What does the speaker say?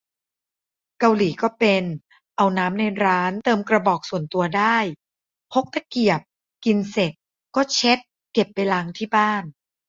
เกาหลีก็เป็น เอาน้ำในร้านเติมกระบอกส่วนตัวได้ พกตะเกียบ กินเสร็จก็เช็ดเก็บไปล้างที่บ้าน